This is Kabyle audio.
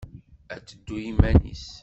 Ad teddu i yiman-nnes.